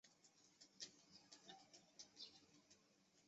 位于横滨市最南端。